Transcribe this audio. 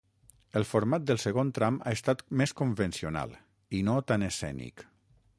El format del segon tram ha estat més convencional i no tan escènic.